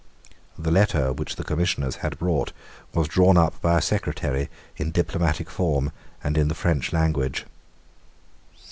The letter which the Commissioners had brought was drawn up by a secretary in diplomatic form and in the French language.